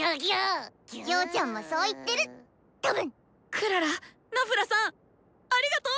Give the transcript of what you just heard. クララナフラさんありがとう！